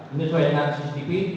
ini sesuai dengan cctv